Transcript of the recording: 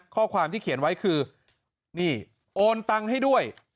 ข้อความที่เขียนไว้คือนี่โอนตังค์ให้ด้วย